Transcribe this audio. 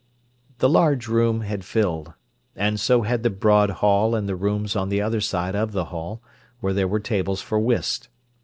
The large room had filled, and so had the broad hall and the rooms on the other side of the hall, where there were tables for whist.